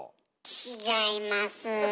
違います。